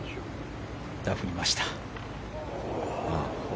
ダフりました。